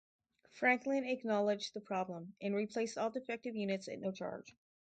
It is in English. Franklin acknowledged the problem, and replaced all defective units at no charge.